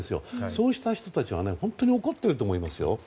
そうした人たちは本当に怒っていると思いますよ。